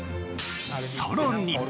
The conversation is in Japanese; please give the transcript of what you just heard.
［さらに］